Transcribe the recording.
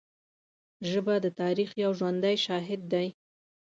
ژبه د تاریخ یو ژوندی شاهد دی